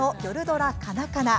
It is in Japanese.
ドラ「カナカナ」。